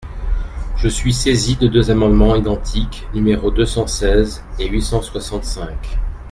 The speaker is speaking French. Je suis saisie de deux amendements identiques, numéros deux cent seize et huit cent soixante-cinq.